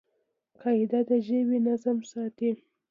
قاعده د ژبي نظم ساتي.